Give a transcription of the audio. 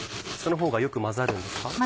そのほうがよく混ざるんですか？